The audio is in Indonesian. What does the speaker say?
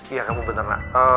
iya kamu bener nak